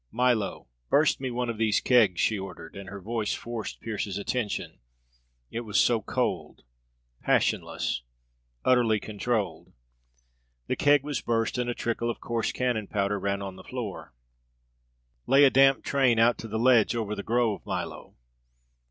"Milo, burst me one of these kegs," she ordered, and her voice forced Pearse's attention; it was so cold, passionless, utterly controlled. The keg was burst, and a trickle of coarse cannon powder ran on the floor. "Lay a damp train out to the ledge over the grove, Milo!"